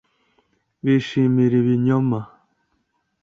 Bishimira ibinyoma